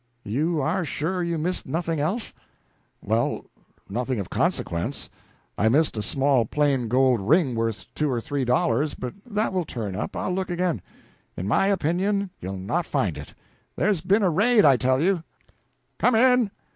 "You are sure you missed nothing else?" "Well, nothing of consequence. I missed a small plain gold ring worth two or three dollars, but that will turn up. I'll look again." "In my opinion you'll not find it. There's been a raid, I tell you. Come in!"